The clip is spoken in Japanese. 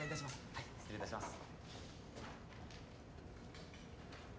はい失礼いたします。